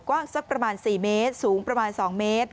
กว้างสักประมาณ๔เมตรสูงประมาณ๒เมตร